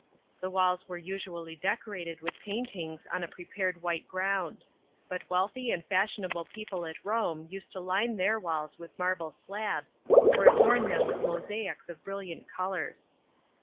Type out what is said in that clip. The walls were usually decorated with paintings on a prepared white ground; but wealthy and fashionable people at Rome used to line their walls with marble slabs, or adorn them with mosaics of brilliant colours.